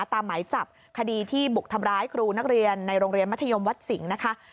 หมายจับคดีที่บุกทำร้ายครูนักเรียนในโรงเรียนมัธยมวัดสิงห์นะคะ